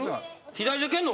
左で蹴んの？